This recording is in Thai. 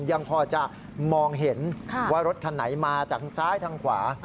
ยังพอจะมองเห็นว่ารถคันไหนมาจากซ้ายทางขวา